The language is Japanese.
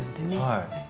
はい。